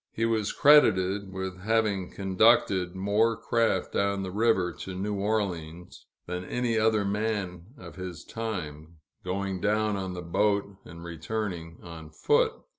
He was credited with having conducted more craft down the river to New Orleans, than any other man of his time going down on the boat, and returning on foot.